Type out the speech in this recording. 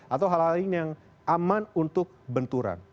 atau hal hal lain yang aman untuk benturan